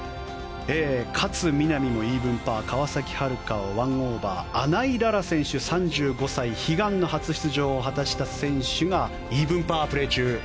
勝みなみもイーブンパー川崎春花、１オーバー穴井詩選手、３５歳悲願の初出場を果たした選手がイーブンパープレー中。